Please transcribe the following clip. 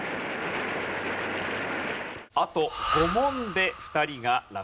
あと５問で２人が落第です。